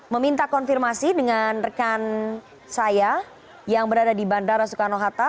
meminta konfirmasi dengan rekan saya yang berada di bandara soekarno hatta